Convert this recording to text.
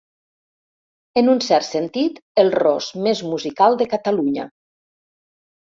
En un cert sentit, el Ros més musical de Catalunya.